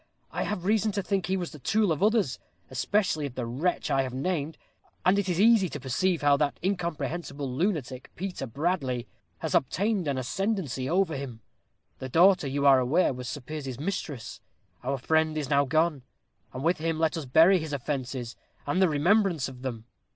I have reason to think he was the tool of others, especially of the wretch I have named. And it is easy to perceive how that incomprehensible lunatic, Peter Bradley, has obtained an ascendancy over him. His daughter, you are aware, was Sir Piers's mistress. Our friend is now gone, and with him let us bury his offences, and the remembrance of them.